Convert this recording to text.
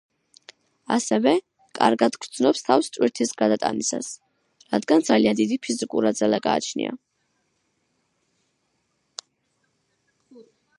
ასევე, კარგად გრძნობს თავს ტვირთის გადატანისას, რადგან ძალიან დიდი ფიზიკური ძალა გააჩნია.